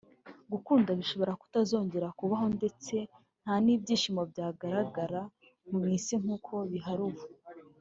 gukunda bishobora kutazongera kubaho ndetse nta n’ibyishimo byagaragara mu isi nk’uko bihari ubu